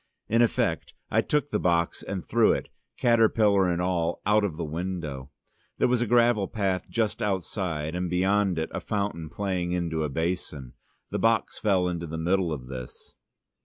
In effect, I took the box and threw it, caterpillar and all, out of the window. There was a gravel path just outside, and beyond it, a fountain playing into a basin. The box fell on to the middle of this.